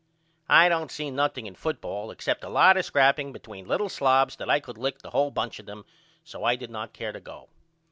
I don't see nothing in football except a lot of scrapping between little slobs that I could lick the whole bunch of them so I did not care to go.